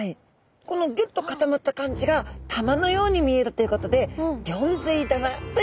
このギュッと固まった感じが玉のように見えるということでギョンズイ玉と呼ばれます。